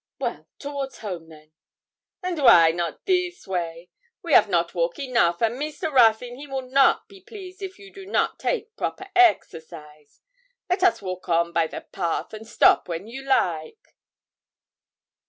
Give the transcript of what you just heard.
'Well, towards home, then.' 'And wy not a this way? We ave not walk enough, and Mr. Ruthyn he will not be pleased if you do not take proper exercise. Let us walk on by the path, and stop when you like.'